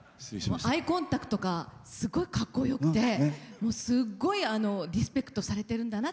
アイコンタクトがすごいかっこよくてすごいリスペクトされてるんだな